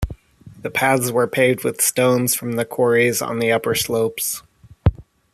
The paths were paved with stones from the quarries on the upper slopes.